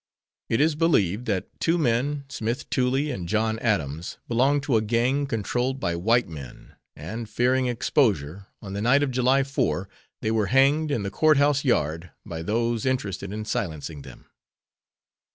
It is believed that two men, Smith Tooley and John Adams belonged to a gang controlled by white men and, fearing exposure, on the night of July 4, they were hanged in the Court House yard by those interested in silencing them.